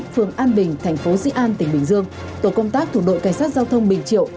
phường an bình tp di an tỉnh bình dương tổ công tác thủ đội cảnh sát giao thông bình triệu